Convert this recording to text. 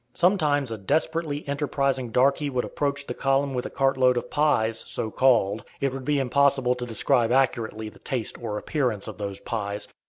Sometimes a desperately enterprising darkey would approach the column with a cartload of pies, "so called." It would be impossible to describe accurately the taste or appearance of those pies.